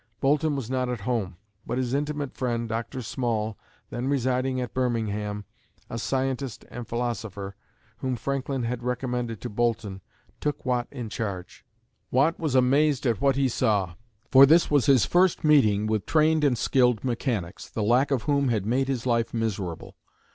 Boulton was not at home, but his intimate friend, Dr. Small, then residing at Birmingham, a scientist and philosopher, whom Franklin had recommended to Boulton, took Watt in charge. Watt was amazed at what he saw, for this was his first meeting with trained and skilled mechanics, the lack of whom had made his life miserable.